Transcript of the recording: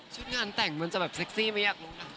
ชุดงานแต่งมึงจะแบบเซ็กซี่หรืออะไรท่าน